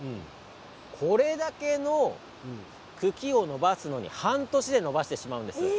これだけの茎を伸ばすのに半年で伸ばしてしまうんです。